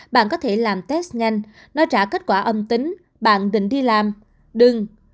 bạn có thể làm test nhanh nó trả kết quả âm tính bạn định đi làm đường